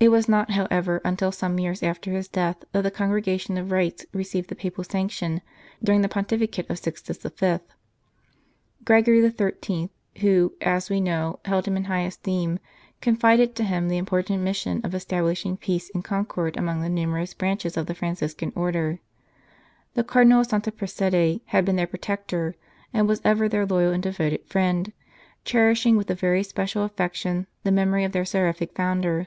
It was not, however, until some years after his death that the Conregation of Rites received the Papal sanction, during the pontificate of Sixtus V. Gregory XIII., who, as we know, held him in high esteem, confided to him the important mission of establishing peace and concord among the numerous branches of the Franciscan Order. The Cardinal of Santa Prassede had been their protector, and was ever their loyal and devoted friend, cherishing with a very special affection the memory of their seraphic founder.